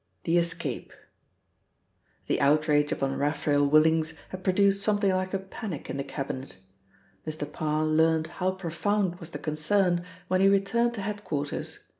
XL. — THE ESCAPE THE outrage upon Raphael Willings had produced something like a panic in the Cabinet. Mr. Parr learnt how profound was the concern when he returned to head quarters.